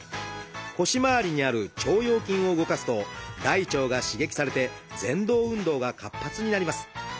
腰まわりにある腸腰筋を動かすと大腸が刺激されてぜん動運動が活発になります。